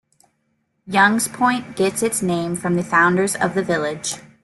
Young's Point gets its name from the founders of the village.